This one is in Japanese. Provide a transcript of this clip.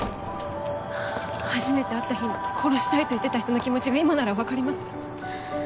はぁ初めて会った日に殺したいと言ってた人の気持ちが今ならわかります。